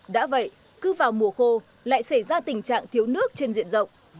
đã vậy cứ vào mùa khô lại xảy ra tình trạng thiếu nước trên diện rộng